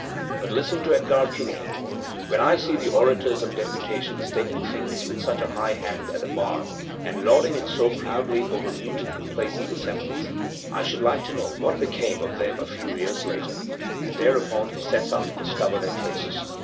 But listen to Edgar Quinet: "When I see the orators of deputations taking things with such a high hand at the bar, and lording it so proudly over mute and complaisant assemblies, I should like to know what became of them a few years later." And thereupon he sets out to discover their traces.